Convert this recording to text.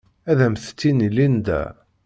Ad am-t-tini Linda.